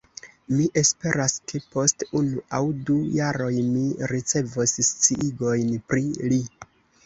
Mi esperas ke, post unu aŭ du jaroj, mi ricevos sciigojn pri li.